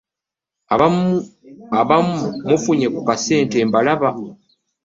Abamu mufunye ku kasente mbalaba.